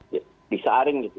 ya disaring gitu